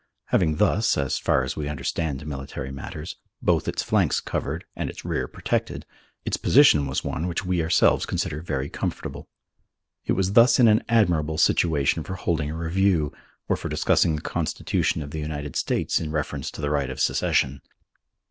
Having thus as far as we understand military matters both its flanks covered and its rear protected, its position was one which we ourselves consider very comfortable. It was thus in an admirable situation for holding a review or for discussing the Constitution of the United States in reference to the right of secession.